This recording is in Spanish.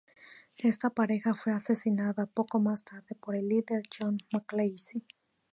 Esta pareja fue asesinada poco más tarde por el líder, John McCluskey.